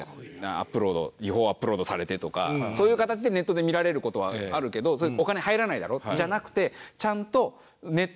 アップロード違法アップロードされてとかそういう形でネットで見られる事はあるけどそれお金入らないだろ？